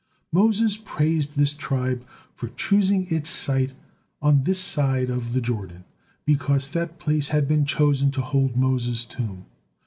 Moses praised this tribe for choosing its site on this side the Jordan because that place had been chosen to hold Moses' tomb.